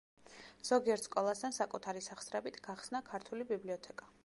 ზოგიერთ სკოლასთან საკუთარი სახსრებით გახსნა ქართული ბიბლიოთეკა.